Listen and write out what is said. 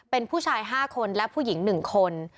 เป็นผู้ชาย๕คนและผู้หญิง๑คน